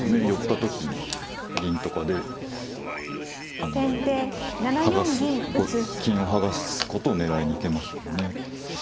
寄った時に銀とかでこう剥がす金を剥がすことを狙いに行けますもんね。